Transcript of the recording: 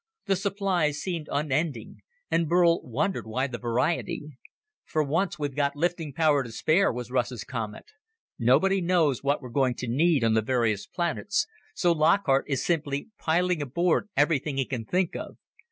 The supplies seemed unending, and Burl wondered why the variety. "For once, we've got lifting power to spare," was Russ's comment. "Nobody knows what we're going to need on the various planets, so Lockhart is simply piling aboard everything he can think of.